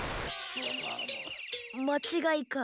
まちがいか。